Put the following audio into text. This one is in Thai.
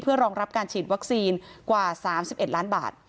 รองรับการฉีดวัคซีนกว่า๓๑ล้านบาท